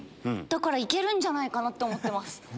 だから行けるんじゃないかなって思ってます。